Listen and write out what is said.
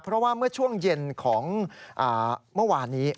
เพราะว่าเมื่อช่วงเย็นของเมื่อวานนี้